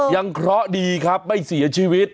เคราะห์ดีครับไม่เสียชีวิต